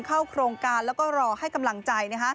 เข้าโครงการแล้วก็รอให้กำลังใจ